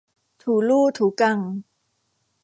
ถูลู่ถูกัง